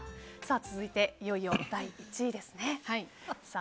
続いて、いよいよ第１位ですね。